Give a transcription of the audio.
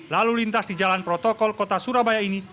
lalu lintas di jalan protokol kota surabaya ini